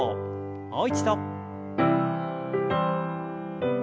もう一度。